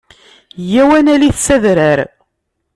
Yya-w ad nalit s adrar!